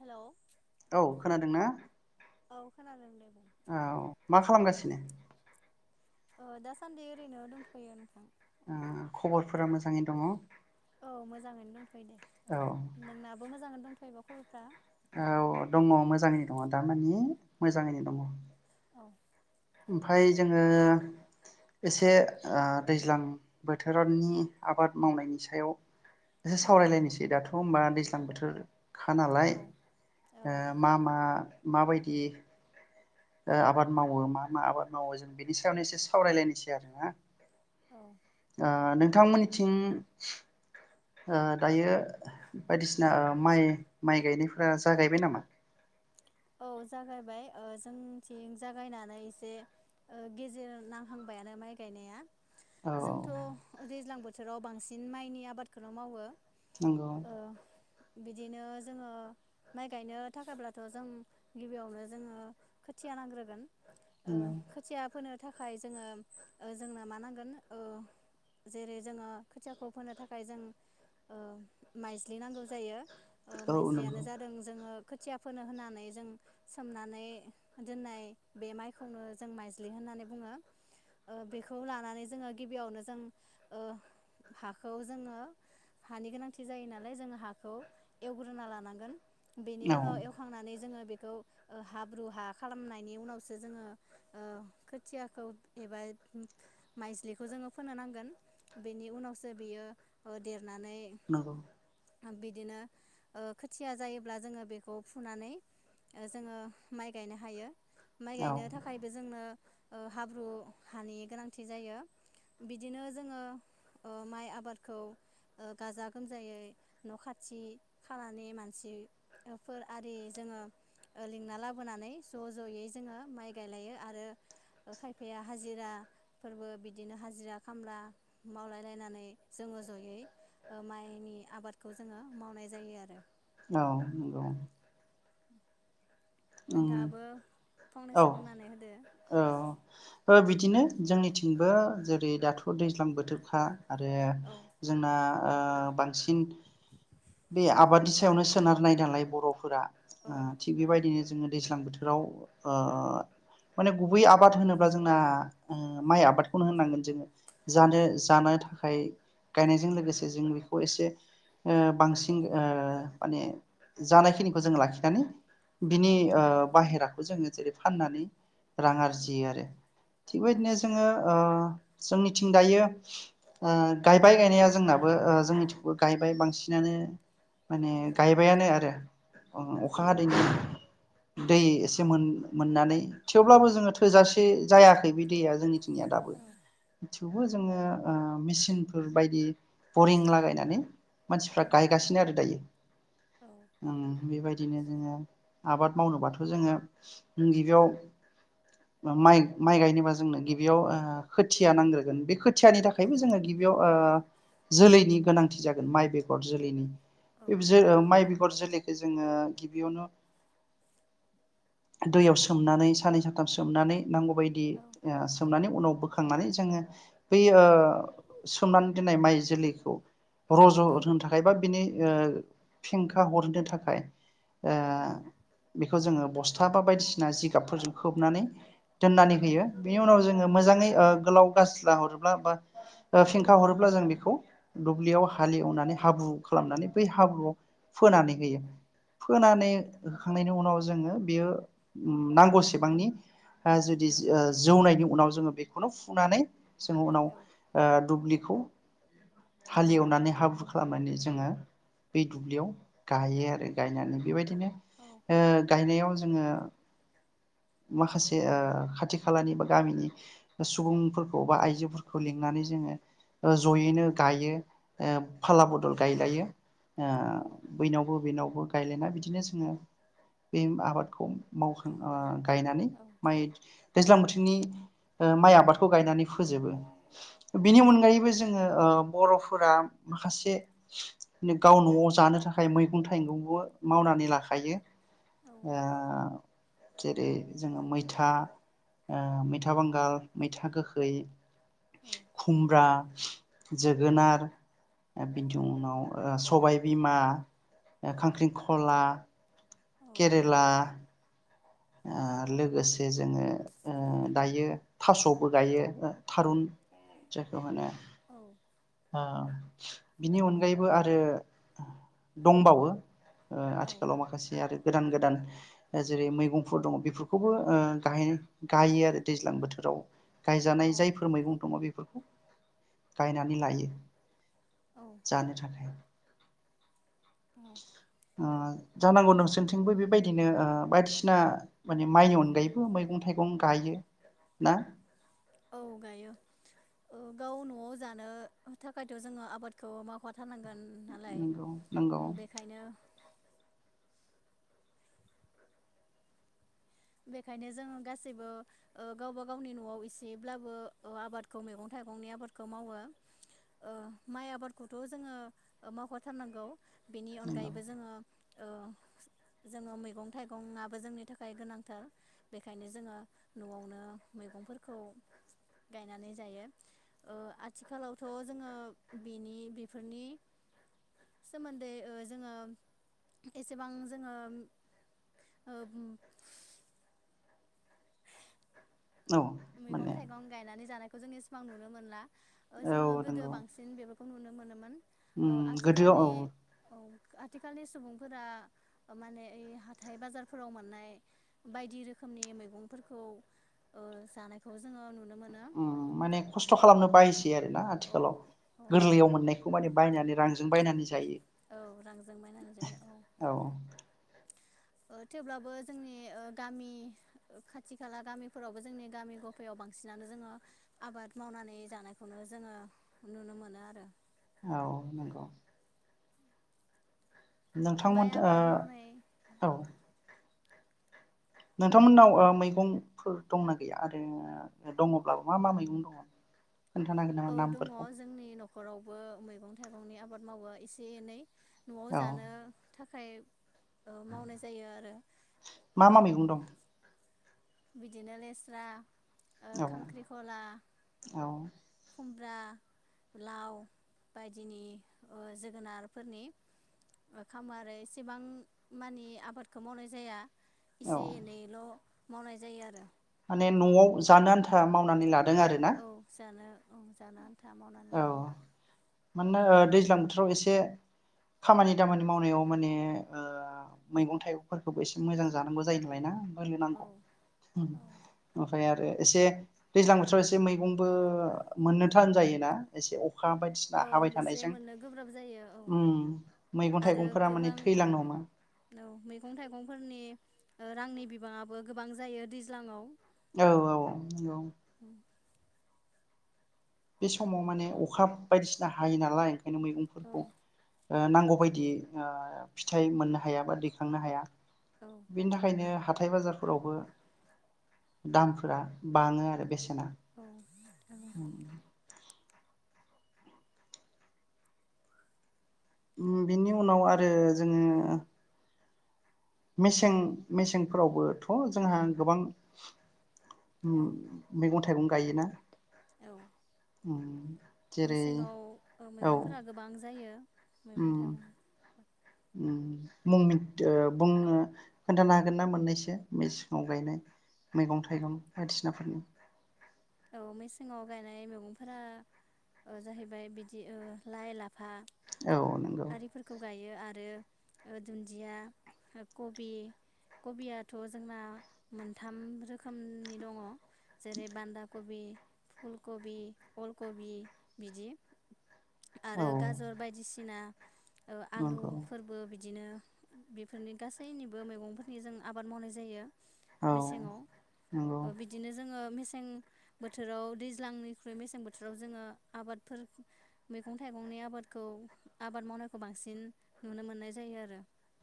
Hello औ खोनादोंना? औखानादों दे। बुं औ मा खालामगासिनो अ दासान्दि ओरैनो दंथयो नोंथां। उम खबरफोरा मोजाङै दङ औ मोजाङैनो दंथयो दे नोंनाबो मोजाङैनो दंथ फैबा खबरफ्रा औ दङ मोजाङैनो दङ दामानि मोजाङैनो दङ। औ ओमफाय जोङो एसे आ दैज्लां बोथोरनि आबाद मावनायनि सायाव एसे औ सावरायलायनिसै दाथ थ होमब्ला दैज्लां बोथोर खानालाय औ ओ मा मा मा बायदि ओ आबाद मावो मा मा आबाद मावो जों बेनि सायावनो एसे सावरायलायनिसै आरोना औ ओ नो थांमोननिथिं ओ दायो बायदिसिना ओ माइ माइ गायनायफोरा जागायबाय नामा औ जागायबाय ओ जोंथिं जागायनानै एसे ओ गेजेर नांहांबायानो माइ गायनाया। औ जोंथ' ओ दैज्लां बोथ बोथोराव बांसिन माइनि आबादखौनो मावो नोंगौ। ओ बिदिनो जोङो माइ गायनो थाखायब्लाथ' जों गिबियावनो जोङो खोथिया नांग्रोगोन ओ नंगौ खोथिया फोनो थाखाय जोङो ओ जोंनो मा नांगोन ओ जेरै जोङो खोथियाखौ फोनो थाखाय जों ओ माइज्लि नांगौ जायो ओ औ माइज्लियानो नंगौ जादों जोङो खोथिया फोनो होननानै जों सोमनानै दोननाय बे माइखौनो जों माइज्लि होननानै बुङो ओ बेखौ लानानै जोङो गिबियावनो जों ओ हाखौ जोङो हानि गोनांथि जायो नालाय जोङो हाखौ एवग्रोना लानांगोन बेनि औ उनाव एवखांनानै जोङो बेखौ ओ हाब्रु हा खालामनायनि उनावसो जोङो ओ खोथियाखौ एबा माइज्लिखौ जोङो फोनो नांगोन बेनि उनावसो बेयो ओ देर नानै नंगौ बिदिनो ओ खोथिया जायोब्ला जोङो बेखौ फुनानै ओ जोङो माइ गायनो हायो। माइ औ गायनो थाखायबो जोंनो ओ हाब्रु हानि गोनांथि जायो बिदिनो जोङो ओ माइ आबादखौ ओ गाजा गोमजायै न खाथि खालानि मानसि फोर आरि जोङो लिंना लाबोनानै ज जयै जोङो माइ गायलायो आरो खायफाया हाजिराफोरबो बिदिनो हाजिरा खामला मावलाय लायनानै जोङो जयै माइनि आबादखौ जोङो मावनाय जायो आरो औ नंगौ ओं नोंथाङाबो औ फंनैसो बुंनानै होदो औ ओ बिदिनो जोंनिथिंबो जेरै दाथ' दैज्लां बोथोरखा आरो औ जोंना ओ बांसिन बे आबादनि सायावनो सोनारनाय नालाय बरफोरा औ थिग औ बेबायदिनो जोङो दैज्लां बोथोर फोराव माने गुबै आबाद होनोब्ला जोंना माइ आबादखौनो होननांगोन जोङो जानो जानो थाखाय गायनायजों लोगोसे जों बेखौ एसे ओ बांसिन ओ माने जानायखिनिखौ जों लाखिनानै बिनि औ ओ बाहेराखौ जोङो जेरै फाननानै रां औ आरजियो आरो औ थिगबायदिनो जोङो ओ जोंनिथिं दायो ओ गायबाय गायनाया जोंनाबो ओ जोंनिथिंबो गायबाय बांसि नानो माने औ गायबायानो आरो अखा हादैनि दै एसे मोननानै थेवब्लाबो जोङो थोजासे जायाखै बे दैया जोंनिथिंनिया दाबो थेवबो जोङो ओ मेचिनफोर बायदि बरिं लागायनानै मानसिफ्रा गायगासिनो आरो दायो औ बेबायदि बिदिनो जोङो आबाद मावनोबाथ जोङो गिबियाव माइ माइ गायनोबा जोंनो गिबियाव ओ खोथिया नांग्रोगोन बे खोथि खोथियानि औ थाखायबो जोङो गिबियाव ओ जोलैनि गोनांथि जागोन माइ बे हर जोलैनि औ बे माइ बेगर जोलै जोङो गिबियावनो दैयाव सोमनानै साननै सानथाम सोमनानै नांगौ बायदि औ ओ सोमनानै उनाव बो खांनानै जोङो बै ओ सोमनानै दोन्नाय माइ जोलैखौ औ होनो थाखाय बा बिनि फेंखा हरनो थाखाय ओ औ बेखौ जोङो बस्था बा बायदिसिना जिगाबफोरजों खोबनानै दोननानै होयो बिनि उनाव जोङो मोजाङै गोलाव गाजला अरोब्ला बा फेंखा अरोब्ला जों बेखौ दुब्लियाव हालि एवनानै हाब्रु खालामनानै बै हाब्रुआव फोनानै होयो औ फोनानै होखांनायनि उनाव जोङो बेयो नांगौसेबांनि आ जुदि जौनायनि उनाव जोङो बेखौनो फुनानै जोङो उनाव आ दुब्लिखौ हालिवनानै हाब्रु खालामनानै जोङो बे दुब्लियाव गायो आरो गायनानै बेबायद नो ओ गायनायाव जोङो माखासे ओ खाथि खालानि बा गामिनि सुबुंफोरखौ बा आइजोफोरखौ लिंनानै जोङो ओ औ जयैनो गायो, ओ फाला बदल गायलायो ओ बैनावबो बेनावबो गायलायना बिदिनो जोङो बे आबादखौ मावखां ओ गायनानै औ माइ दैज्लां बोथोरनि माइ आबादखौ गायनानै फोजोबो बेनि अनगायैबो जोङो बर'फोरा माखासे गाव न'आव जानो थाखाय मैगं थाइगंबो मावनानै लाखायो। ओ जेरै जोङो मैथा मैथा बांगाल मैथा गोखै। खुमब्रा। जोगोनार बिनि उनाव सबायबिमा‌। खांख्रिंखला केरेला। ओ लोगोसे जोङो ओ दायो थासबो गायो। थारुन जायखौ माने ओ बिनि अनगायैबो आरो दंबावो ओ आथिखालाव माखासे आरो गोदान गोदान जेरै मैगंफोर दङ बेफोरखौबो ओ गाययो गायो आरो दैज्लां बोथोराव। औ गायजानाय जायफोर मैगं दङ बेफोरखौ गायनानै लायो। [unintelligible] जानो थाखाय ओ जानांगौ नोंसोरथिंबो बेबायदिनो ओ बायदिसिना माने माइनि अनगायैबो मैगं थाइगं गायो ना औ गायो गाव न'आव जानो थाखायथ‌जोङो आबादखौ मावाथारनांगोन नालाय नंगौ नंगौ बेखायनो बेखायनो जोङो गासैबो गावबा गावनि नआव एसेब्लाबो आबादखौ मैगं थाइगंनि आबादखौ मावो माइ आबादखौथ जोङो मावखाथारनांगौ। बेनि नंगौ अनगायैबो जोङो। ओ‌ जोङो मैगं थाइगंआबो जोंनि थाखाय गोनां थार बेखायनो जोङो न'आवनो मैगंफोरखौ गायनानै जायो ओ‌ आथिखालावथ जोङो बेनि बेफोरनि सोमोन्दै जोङो एसेबां जोङो ओ। औ मैगं माने थाइगं गायनानै जानाय खौ जों इसिबां‌ नुनो मोनला जोङो औ गोदो नंगौ बांसिन बेफोर खौ नुनो मोनोमोन उम ओ गोदोआव आथिखालनि औ औ। आथिखालनि सुबुंफोरा माने ओइ हाथाइ बाजारफोराव मोननाय बायदि रोखोमनि मैगंफोरखौ। जानायखौ जोङो नुनो मोन। उम माने खस्थ खालामनो बायोसै आरो। दा औ आथिखालाव औ गोरलैयाव मोननायखौ माने बायनानै रांजों बायनानै जायो औ रांजों बायनानै जायो औ ओ थेवब्लाबो जोंनि ओ गामि ओ खाथि खाला गामिफोरावबो जोंनि गामि ग'फायाव बांसिनानो जोङो आबाद मावनानै जानायखौनो जोङो नुनो मोनो आरो। औ नंगौ। नोंथांमोन माइ आबाद मावनाय ओ औ नोंथांमोननाव ओ मैगं फोर दंना गैया आरो दङब्लाबो मा मा मैगं दङ खोन्थानो हागोन नामा औ दङ नामफोरखौ जोंनि नख'रावबो मैगं थाइगंनि आबाद मावो एसे एनै न'आव औ जानो थाख फ्राय मावनाय जायो आरो मा मा मैगं दं बिदिनो लेस्रा ओ औ खांख्रिखला औ खुमब्रा लाव बायदिनि ओ जोगोनारफोरनि खामो आरो एसेबां मानि आबादखौ मावनाय जाया औ इसे एनैल' मावनाय जायो आरो माने न'आव जानो आन्था मावनानै लादों आरोना औ जानो औ जानो आन था मावनानै औ लादों मानोना दैज्लां बोथोराव एसे खामानि दामानि मावनायाव माने ओ मैगं थाइगंफोरखौबो एसे मोजां जानांगौ जायो नालाय ना। होनो औ नांगौ ओमफ्राय आरो एसे दैज्लां बोथोराव एसे मैगंबो मोननो थान जायोना एसे अखा बायदिसिना औ हाबाय एसे थानायजों मोननो गोब्राब जायो औ उम मैगं आरो थाइगंफोरा माने गोबां थैलांनो हमो औ मैगं थाइगंफोरनि रांनि बिबाङाबो गोबां जायो दैज्लाङाव औ औ औ बे समाव माने अखा बायदिसिना हायो नालाय नों औ मैगंफोरखौ ओ नांगौ बायदियै ओ फिथाइ मोननो हाया बा दैखांनो हाया। औ बेनि थाखायनो हाथ हाथाय बाजारफोरावबो दामफोरा बाङो आरो बेसेना औ उ उम बिनि उनाव आरो जोङो मेसें मेसेंफोरावबोथ जोंहा गोबां औ उम मैगं थाइगं गायोना। औ उम जेरै मेसेङाव औ मैगंफोरा गोबां जायो। मैगं उम थाइगं उम। मुं मि बुंनो खोन्थानो हागोन ना मोननैसो मेसेङाव गायनाय मैगं थाइगं बायदिसिनाफोरनि औ मेसेंआव गायनाय मैगंफोरा जाहैबाय बिदि लाइ लाफा औ नंगौ आरिफोरखौ गायो आरो दुन्दिया कबि कबियाथजोंना मोनथाम रोखोमनि दङ। जेरै बान्दाब। कबि फुल कबि अल कबि बिदि औ आरो गाजर बायदिसिना आलु नंगौ फोरबो बिदि बिदिनो बेफोरनि गासैनिबो मैगंफोरनि जों आबाद मावनाय जायो। औ मेसेङाव नंगौ बिदिनो जोङो सिं बोथोराव दैज्लांनिख्रुइ मेसें बोथोराव जोङो आबादफोर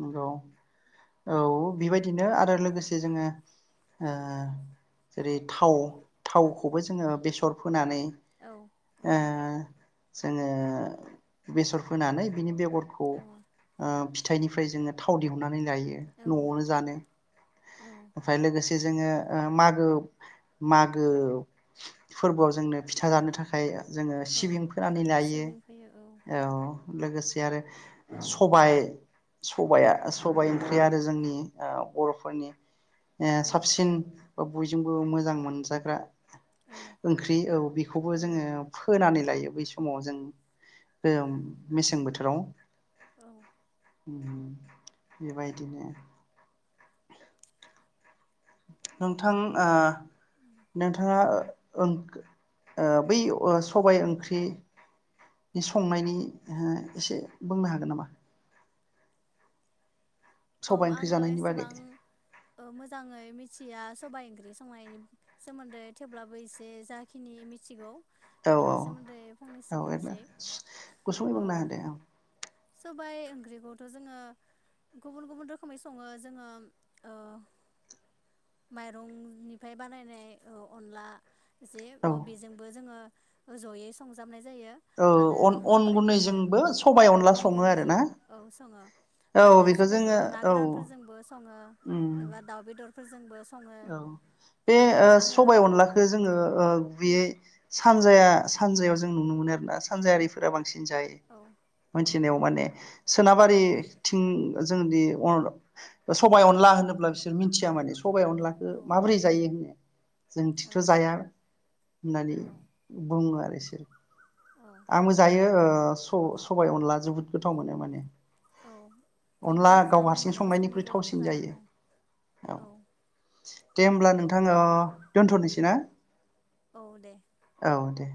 नंगौ औ बेबायदिनो आरो लोगोसे जोङो जेरै थाव थावखौबो जोङो बेसर फोनानै औ औ ओ जोङो बेसर फोनानै बिनि बेगर खौ औ आ फिथायनिफ्राय जोङो थाव दिहुननानै जायो औ नआवनो जानो औ ओमफ्राय लोगोसे जोङो मागो मागो फोरबोआव जोंनो फिथा जानो थाखाय जोङो औ सिबिं फोनानै लायो सिबिं फैयो औ। लोगोसे आरो सबाय सबाया औ सबाय ओख बे आरो जोंनि बरफोरनि ए औ साबसिन बयजोंबो मोजां मोनजाग्रा ओंख्रि औ बेखौबो औ जोङो फोनानै लायो बै समाव जों मेसें बोथोराव औ उम बेबायदिनो नोंथां ओ नोंथाङा ओं ओ बै ओ सबाय ओंख्रि संनायनि ओहो एसे बुंनो हागोन नामा औ सबाय ओंख्रि आङो जानायनि बागै एसेबां ओ मोजाङै मि थिया सबाय ओंख्रि संनायनि सोमोन्दै थेवब्लाबो एसे जाखिनि मिथिगौ औ औ बेनि सोमोन्दै फंनैसो औ एरनो बुंनोसै गुसुं बुंना होदे ओं। सबाय ओंख्रिखौथ जोङो गुबुन गुबुन रोखोमै सङो जोङो ओ माइरंनिफाय बानायनाय औ अनला जे औ अ बेजोंबो जोङो जयै संजाबनाय जायो औ आरो औ अन अन खायफाया गुन्दैजोंबो सबाय औ अनला अन सङो आरो गुन्दैजों ना औ सङो औ आरो बेखौ सबायखौ जोङो ना औ गोरानफोरजोंबो सङो। उम एबा दाउ बेदर फोरजोंबो स औ बे ओ सबाय अनलाखो जोङो ओ बैयै सानजाया सानजायाव जों नुनो मोनो आरना सानजायारिफोरा बां थिन जाय औ औ मोनथिनायाव माने औ सोनाबारि थिं जोंनि अर ओ सबाय अनला होनोब्ला बिसोर मिथिया माने सबाइ अनला ओ माब्रै जायो होननाया जोंथिंथ' औ जाया होननानै औ बुङो आरो। [unintelligible] औ आंबो जायो ओ स सबाय अनला जोबोद गोथाव मोनो माने औ बयबो अनला मोजां गाव हारसिं मोनो जोंनि संनायनिख्रुइ थावसिन बर'फोरा जायो औ औ दे ओमब्ला नोंथां ओ दोन्थनिसै ना औ दे औ दे